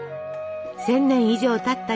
１，０００年以上たった